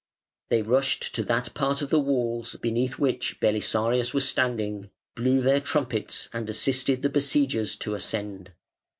They rushed to that part of the walls beneath which Belisarius was standing, blew their trumpets, and assisted the besiegers to ascend.